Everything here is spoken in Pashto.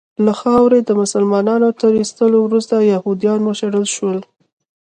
له خاورې د مسلمانانو تر ایستلو وروسته یهودیان وشړل سول.